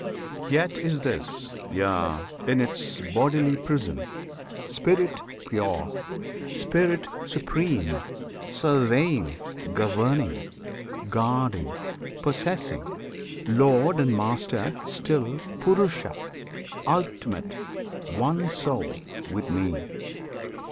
[FN#29] Yet is this Yea! in its bodily prison! Spirit pure, Spirit supreme; surveying, governing, Guarding, possessing; Lord and Master still PURUSHA, Ultimate, One Soul with Me.